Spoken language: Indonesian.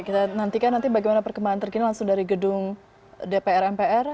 kita nantikan nanti bagaimana perkembangan terkini langsung dari gedung dpr mpr